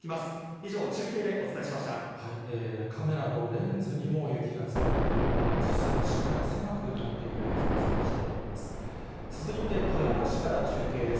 以上、カメラのレンズにも雪が積もっていて、実際に視界が狭くなっている映像をお伝えしています。